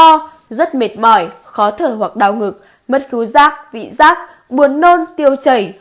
rất mệt mỏi khó thở hoặc đau ngực mất khứu rác vị rác buồn nôn tiêu chảy